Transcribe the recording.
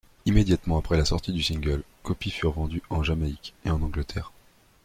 Immédiatement après la sortie du single, copies furent vendues en Jamaïque et en Angleterre.